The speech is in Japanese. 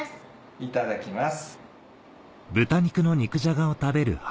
いただきます。